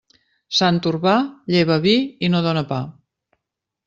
Sant Urbà, lleva vi i no dóna pa.